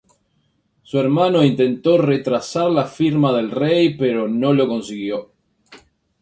Su hermano intentó retrasar la firma del rey pero no lo consiguió.